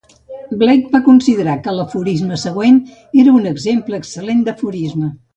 Blake va considerar que l'aforisme següent era un exemple excel·lent d'aforisme.